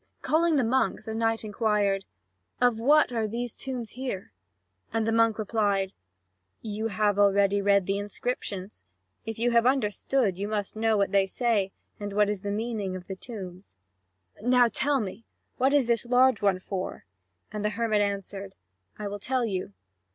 Calling the monk, the knight inquired: "Of what use are these tombs here?" And the monk replied: "You have already read the inscriptions; if you have understood, you must know what they say, and what is the meaning of the tombs." "Now tell me, what is this large one for?" And the hermit answered: "I will tell you.